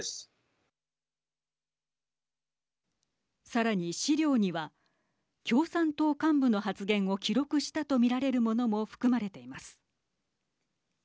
さらに、資料には共産党幹部の発言を記録したとみられるものも含まれています。